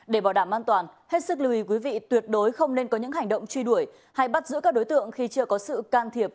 để bảo đảm an toàn hết sức lưu ý quý vị tuyệt đối không nên có những hành động truy đuổi hay bắt giữ các đối tượng khi chưa có sự can thiệp